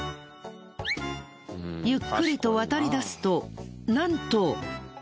ゆっくりと渡りだすとなんと。